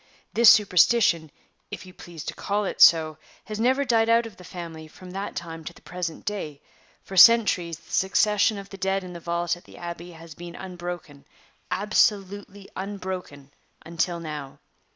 This superstition, if you please to call it so, has never died out of the family from that time to the present day; for centuries the succession of the dead in the vault at the Abbey has been unbroken absolutely unbroken until now.